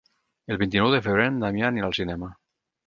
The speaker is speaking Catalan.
El vint-i-nou de febrer en Damià anirà al cinema.